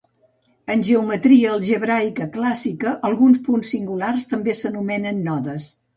En geometria algebraica clàssica, alguns punts singulars també s'anomenen nodes.